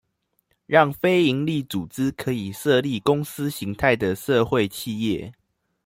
讓非營利組織可以設立公司型態的社會企業